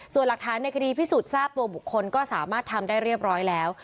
ส่วนหลักฐานในคดีพิสูจน์ทราบตัวบุคคลก็สามารถทำได้เรียบร้อยแล้ว